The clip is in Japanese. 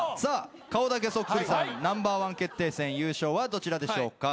「顔だけそっくりさんＮｏ．１決定戦」優勝はどちらでしょうか？